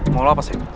mau lo apa sih